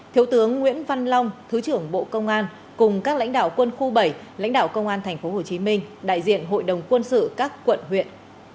thiếu tướng nguyễn văn long thứ trưởng bộ công an cùng các lãnh đạo quân khu bảy lãnh đạo công an thành phố hồ chí minh đại diện hội đồng quân sự các quận huyện